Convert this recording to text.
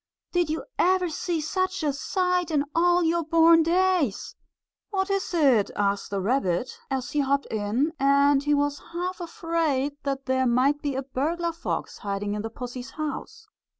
Did you ever see such a sight in all your born days?" "What is it?" asked the rabbit, as he hopped in, and he was half afraid that there might be a burglar fox hiding in the pussy's house.